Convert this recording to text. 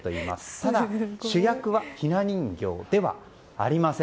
ただ主役は雛人形ではありません。